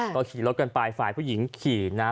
ก็ขี่รถกันไปฝ่ายผู้หญิงขี่นะ